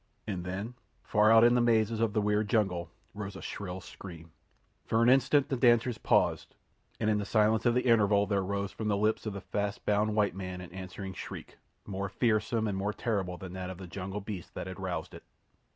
And then, far out in the mazes of the weird jungle, rose a shrill scream. For an instant the dancers paused, and in the silence of the interval there rose from the lips of the fast bound white man an answering shriek, more fearsome and more terrible than that of the jungle beast that had roused it.